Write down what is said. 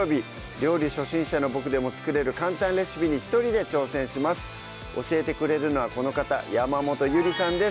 料理初心者のボクでも作れる簡単レシピに一人で挑戦します教えてくれるのはこの方山本ゆりさんです